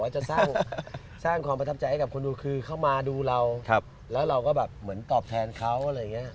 จะสร้างความประทับใจให้กับคนดูคือเข้ามาดูเราแล้วเราก็แบบเหมือนตอบแทนเขาอะไรอย่างนี้